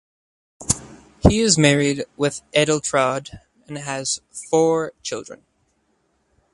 He is married with Edeltraud and has four children.